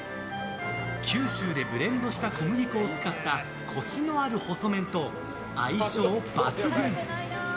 九州でブレンドした小麦粉を使ったコシのある細麺と相性抜群。